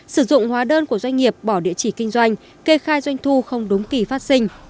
sử dụng hóa đơn của doanh nghiệp bỏ địa chỉ kinh doanh kê khai doanh thu không đúng kỳ phát sinh